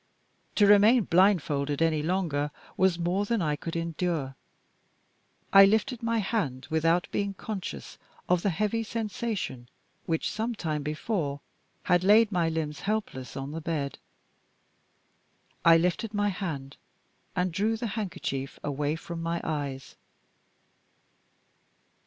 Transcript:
To remain blindfolded any longer was more than I could endure. I lifted my hand without being conscious of the heavy sensation which, some time before, had laid my limbs helpless on the bed I lifted my hand, and drew the handkerchief away from my eyes.